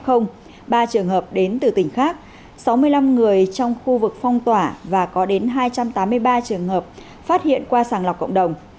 ba trường hợp đến từ tỉnh khác sáu mươi năm người trong khu vực phong tỏa và có đến hai trăm tám mươi ba trường hợp phát hiện qua sàng lọc cộng đồng